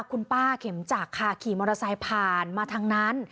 คุณป้าเข็มจักรค่ะขี่มอเตอร์ไซค์ผ่านมาทางนั้น